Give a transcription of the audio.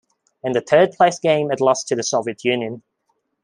In the third-place game it lost to the Soviet-Union.